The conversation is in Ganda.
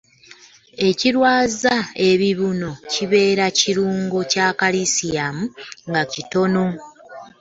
Ekirwaza ebibuno kibeera kirungo kya kalisiyamu nga kitono.